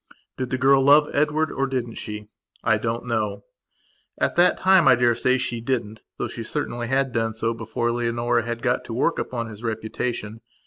Did the girl love Edward, or didn't she? I don't know. At that time I daresay she didn't though she certainly had done so before Leonora had got to work upon his reputation.